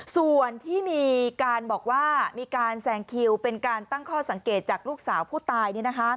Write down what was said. ส่วนที่มีการบอกว่ามีการแซงคิวเป็นการตั้งข้อสังเกตจากลูกสาวผู้ตาย